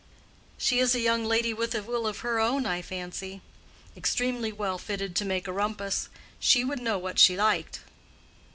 "She is a young lady with a will of her own, I fancy. Extremely well fitted to make a rumpus. She would know what she liked."